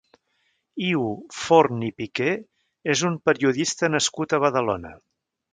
Iu Forn i Piquer és un periodista nascut a Badalona.